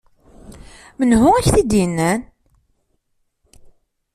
Menhu ak-t-id-yennan?